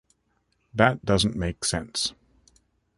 That doesn't make sense.